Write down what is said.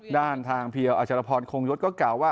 ด้านทางเพียวอัชรพรคงยศก็กล่าวว่า